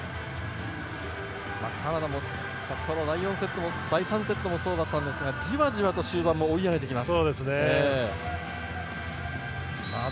カナダも先ほど第３セットもそうだったんですがじわじわと終盤追い上げてきます。